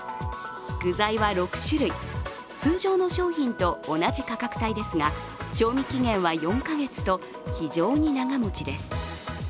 具材は６種類、通常の商品と同じ価格帯ですが賞味期限は４か月と非常に長もちです。